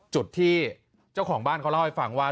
จุดที่เจ้าของบ้านเขาเล่าให้ฟังว่า